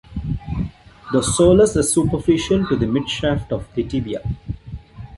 The soleus is superficial to the mid-shaft of the tibia.